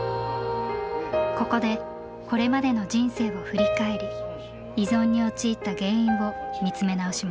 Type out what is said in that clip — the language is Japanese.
ここでこれまでの人生を振り返り依存に陥った原因を見つめ直します。